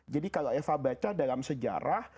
jadi kalau eva baca dalam sejarah